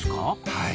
はい。